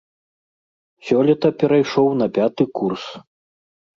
Сёлета перайшоў на пяты курс.